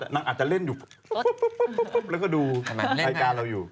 นางอาจจะเล่นอยู่ฮูลาฮุบแล้วก็ดูรายการเราอยู่